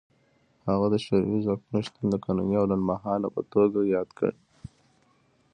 هغه د شوروي ځواکونو شتون د قانوني او لنډمهاله په توګه یاد کړ.